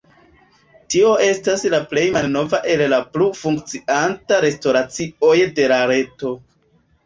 Tio estas la plej malnova el la plu funkciantaj restoracioj de la reto.